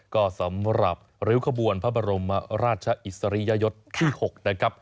ก็สำหรับริ้วขบวนพระบรมราชอิสริยยศที่๖นะครับ